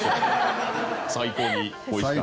最高においしかった？